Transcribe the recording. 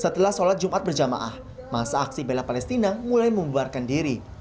setelah sholat jumat berjamaah masa aksi bela palestina mulai membuarkan diri